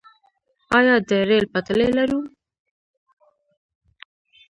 آیا د ریل پټلۍ لرو؟